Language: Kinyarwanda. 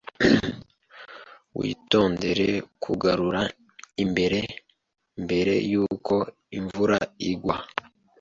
Witondere kugarura imbere mbere yuko imvura igwa.